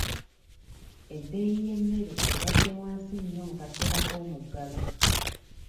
Ebbeeyi y'emmere ebadde wansi nnyo mu kaseera k'omuggalo.